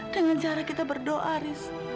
dengan cara kita berdoa riz